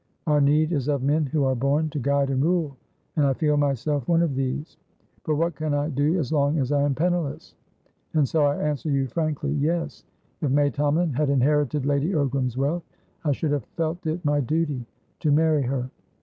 Our need is of men who are born to guide and rule, and I feel myself one of these. But what can I do as long as I am penniless? And so I answer you frankly: yes, if May Tomalin had inherited Lady Ogram's wealth, I should have felt it my duty to marry her."